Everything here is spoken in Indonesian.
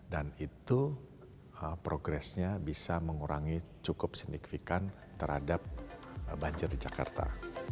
dan itu progresnya bisa mengurangi cukup signifikan terhadap banjir di jakarta